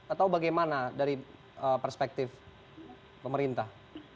atau bagaimana dari perspektif pemerintah